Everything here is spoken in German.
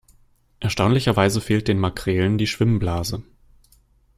Erstaunlicherweise fehlt den Makrelen die Schwimmblase.